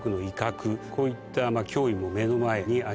こういった脅威も目の前にあります。